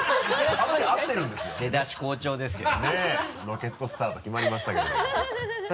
ねぇロケットスタートきまりましたけれども。